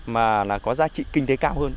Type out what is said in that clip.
mà là có giá trị kinh tế cao hơn